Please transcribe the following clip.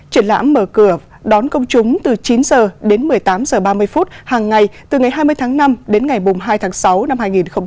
triển lãm mở cửa đón công chúng từ chín h đến một mươi tám h ba mươi phút hàng ngày từ ngày hai mươi tháng năm đến ngày hai tháng sáu năm hai nghìn hai mươi